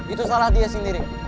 itu salah dia sendiri